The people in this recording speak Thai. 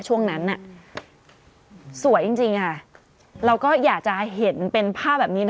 ช่วงนั้นสวยจริงค่ะเราก็อยากจะเห็นเป็นภาพแบบนี้นะ